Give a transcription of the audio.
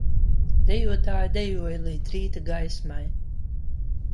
Dejotāji dejoja līdz rīta gaismai